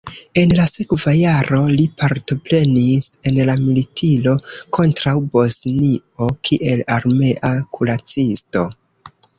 En la sekva jaro li partoprenis en la militiro kontraŭ Bosnio kiel armea kuracisto.